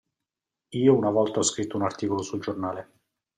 Io una volta ho scritto un articolo sul giornale.